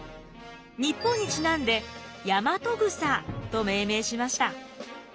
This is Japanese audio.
日本にちなんでヤマトグサと命名しました。